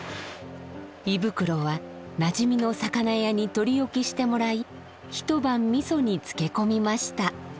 胃袋はなじみの魚屋に取り置きしてもらい一晩みそに漬け込みました。